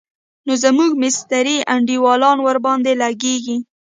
نو زموږ مستري انډيوالان ورباندې لګېږي.